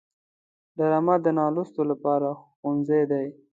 ډرامه د نالوستو لپاره ښوونځی دی